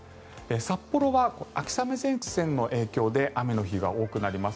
札幌は秋雨前線の影響で雨の日が多くなります。